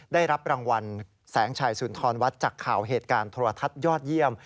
ได้รับรางวัลแสงชัยสุนทรวัดจากข่าวเหตุการณ์โทรทัศน์ยอดเยี่ยม